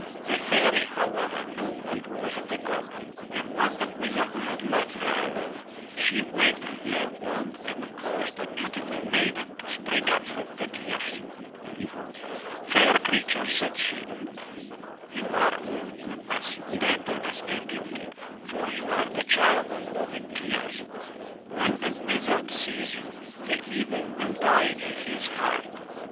The Fairy, however, knew what was in the goblet, and when the Wizard had left her alone, she waved her wand and caused a beautiful maiden to spring up from the tears. "Fair creature," said she, ''you are all goodness, tenderness and beauty, for you are the child of loving tears. When the Wizard sees you, the evil will die in his heart."